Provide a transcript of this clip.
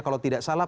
kalau tidak salah